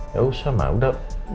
gak usah mah udah